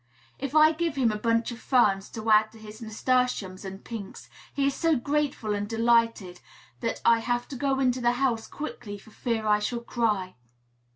If I give him a bunch of ferns to add to his nasturtiums and pinks, he is so grateful and delighted that I have to go into the house quickly for fear I shall cry.